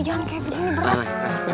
jangan kayak begini berat